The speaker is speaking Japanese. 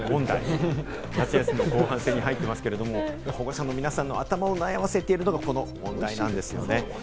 夏休みのお昼ごはん問題、夏休みも後半戦に入ってますけれど、保護者の皆さんの頭を悩ませているのがこの問題なんですよね。